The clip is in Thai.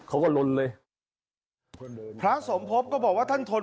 จะชักปืนออกมาก็ต้องป้องกันตัว